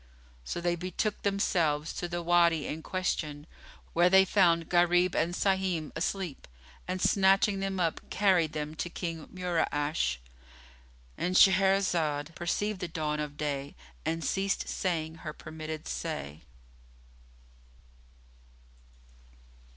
So they betook themselves to the Wady in question, where they found Gharib and Sahim asleep, and, snatching them up, carried them to King Mura'ash.[FN#25]——And Shahrazad perceived the dawn of day and ceased saying her permitted say.